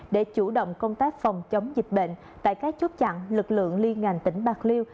để chủ động công tác phòng chống dịch bệnh tại các chốt chặn lực lượng liên ngành tỉnh bạc liêu